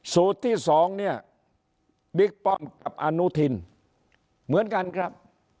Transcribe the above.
สูตรที่สองเนี่ยบิ๊กป้อมกับอนุทินเหมือนกันครับ